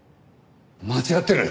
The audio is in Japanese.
間違ってる。